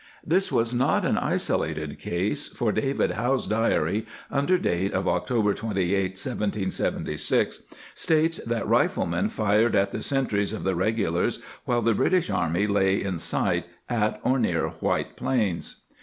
^ This was not an isolated case, for David How's Diary, under date of October 28, 1 776, states that riflemen fired at the sentries of the regulars while the British army lay in sight, at or near White Plains.